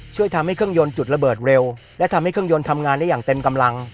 ช่วยทำให้เครื่องยนต์จุดระเบิดเร็วและทำให้เครื่องยนต์ทำงานได้อย่างเต็มกำลัง